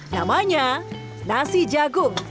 namanya nasi jagung